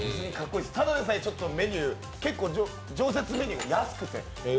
ただでさえ、結構、常設メニュー安くて。